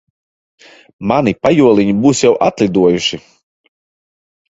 Mani pajoliņi būs jau atlidojuši.